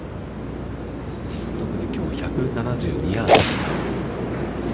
実測できょう１７２ヤード。